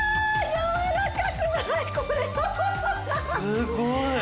すごい。